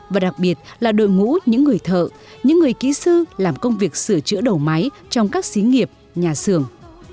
và đặc biệt là đội ngũ những người thợ những người kỹ sư làm công việc sửa chữa đầu máy trong các xí nghiệp nhà xưởng